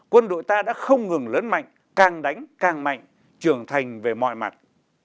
quân đội ta đã không ngừng lớn mạnh càng đánh càng mạnh trưởng thành về mọi mặt